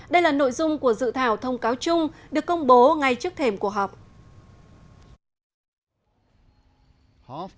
đây là nội dung của dự thảo thông cáo chung được công bố ngay trước thềm cuộc họp